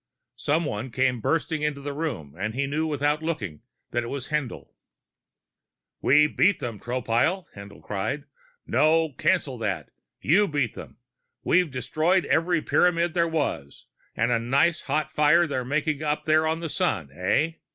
Someone came bustling into the room and he knew without looking that it was Haendl. "We beat them, Tropile!" Haendl cried. "No, cancel that. You beat them. We've destroyed every Pyramid there was, and a nice hot fire they're making up there on the sun, eh?